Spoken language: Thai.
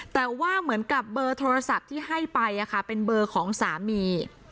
แต่ว่าเหมือนกับเบอร์โทรศัพท์ที่ให้ไปเป็นเบอร์ของสามี